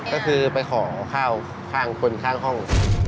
ก็คือไปขอข้าวข้างคนข้างห้อง